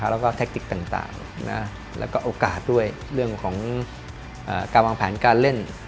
แล้วก็แทคติกต่างแล้วก็โอกาสด้วยเรื่องของการวางแผนการเล่น